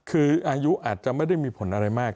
คืออายุอาจจะไม่ได้มีผลอะไรมาก